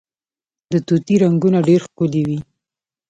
د طوطي رنګونه ډیر ښکلي وي